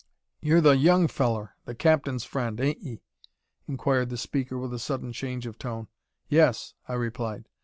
"Yur the young fellur, the capt'n's friend, ain't 'ee?" inquired the speaker, with a sudden change of tone. "Yes," I replied.